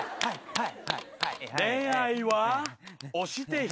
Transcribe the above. はい。